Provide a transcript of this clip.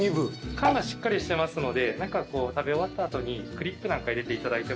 缶がしっかりしてますので食べ終わった後にクリップなんか入れていただいても。